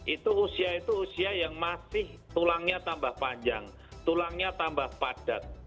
itu usia itu usia yang masih tulangnya tambah panjang tulangnya tambah padat